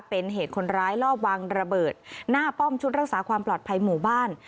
เป็นเหตุคนร้ายลอบวางระเบิดหน้าป้อมชุดรักษาความปลอดภัยหมู่บ้าน